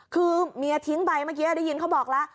คือเมียทิ้งไปเมื่อกี้ได้ยินเขาบอกแล้ว